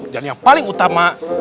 dan yang paling utama